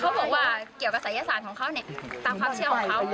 เขาบอกว่าเกี่ยวกับศัยศาสตร์ของเขาเนี่ยตามความเชื่อของเขา